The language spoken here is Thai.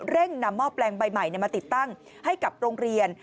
นำหม้อแปลงใบใหม่มาติดตั้งให้กับโรงเรียน